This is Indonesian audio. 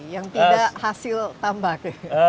yang tidak hasil tambah